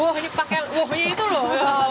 wah pake wahnya itu loh